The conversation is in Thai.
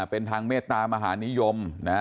เป็นทางเมตตามหานิยม